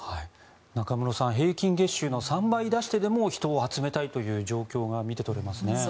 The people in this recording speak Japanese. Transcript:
中室さん平均月収の３倍出してでも人を集めたいという状況が見て取れます。